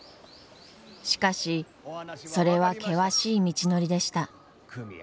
しかしそれは険しい道のりでした。